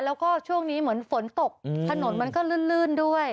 แล้วก็ช่วงนี้เหมือนฝนตกถนนมันก็ลื่นด้วย